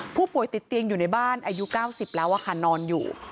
ผู้ป่วยติดเตียงอยู่ในบ้านอายุ๙๐แล้วค่ะนอนอยู่